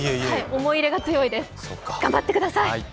思い入れが強いです、頑張ってください。